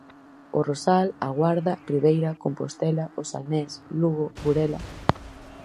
O Rosal, A Guarda, Ribeira, Compostela, O Salnés, Lugo, Burela.